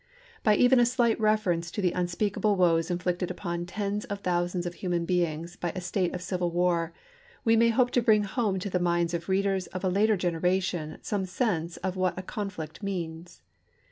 By even a slight reference to the unspeakable woes inflicted upon tens of thou sands of human beings by a state of civil war, we may hope to bring home to the minds of readers of a later generation some sense of what such a con flict means.